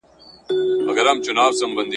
او سره له هغه چي په لویو ,